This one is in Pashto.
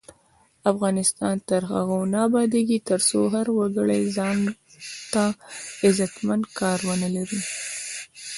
افغانستان تر هغو نه ابادیږي، ترڅو هر وګړی ځانته عزتمن کار ونه لري.